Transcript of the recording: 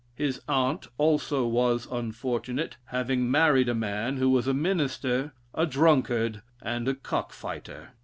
His aunt also was unfortunate, having married a man who was a minister, a drunkard, and a cock fighter.